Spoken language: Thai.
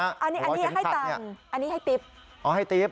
อันนี้ให้ตังอันนี้ให้ติ๊บ